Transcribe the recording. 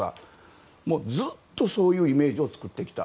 ずっとそういうイメージを作ってきた。